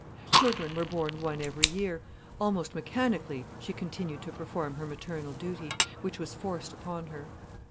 Children were born one every year; almost mechanically, she continued to perform her maternal duty, which was forced upon her.